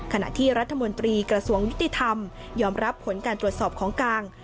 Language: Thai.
ขณะที่รัฐมนตรีกระทรวงยุติธรรมยอมรับผลการตรวจสอบของกลาง